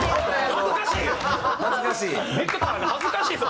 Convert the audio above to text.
恥ずかしいですよ！